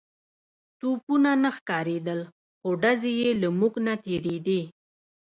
توپونه نه ښکارېدل خو ډزې يې له موږ نه تېرېدې.